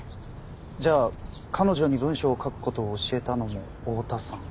じゃあ彼女に文章を書く事を教えたのも大多さん？